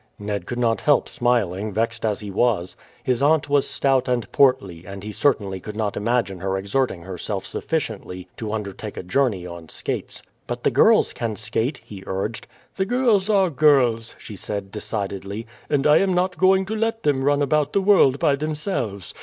Ned could not help smiling, vexed as he was. His aunt was stout and portly, and he certainly could not imagine her exerting herself sufficiently to undertake a journey on skates. "But the girls can skate," he urged. "The girls are girls," she said decidedly; "and I am not going to let them run about the world by themselves.